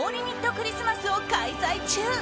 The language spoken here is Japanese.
クリスマスを開催中。